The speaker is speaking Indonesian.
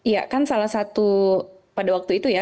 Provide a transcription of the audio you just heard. ya kan salah satu pada waktu itu ya